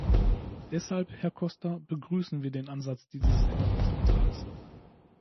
Deshalb, Herr Costa, begrüßen wir den Ansatz dieses Änderungsantrags.